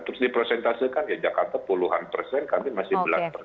terus diprosentasekan ya jakarta puluhan persen kami masih belas persen